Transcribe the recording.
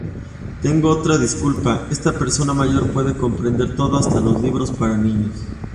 Tengo otra disculpa: esta persona mayor puede comprender todo; hasta los libros para niños.